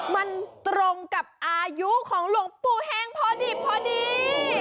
มันตรงกับอายุของหลวงปู่เฮงพอดี